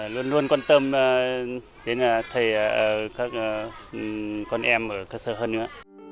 luôn luôn quan tâm đến thầy các con em ở cơ sở hơn nữa